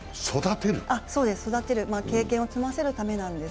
育てる、経験を積ませるためなんです。